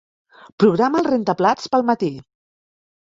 Programa el rentaplats per al matí.